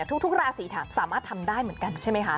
ทุกราศีสามารถทำได้เหมือนกันใช่ไหมคะ